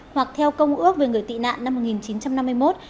hoặc theo công ước về người tị nạn năm một nghìn chín trăm năm mươi một